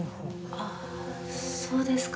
あそうですか。